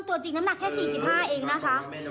ตัวจริงน้ำหนักแค่๔๕เองนะคะ